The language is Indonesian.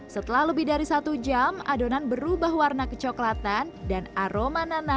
setelah lebih dari satu jam adonan bisa dikumpulkan ke dalam wajan pengaduk adonan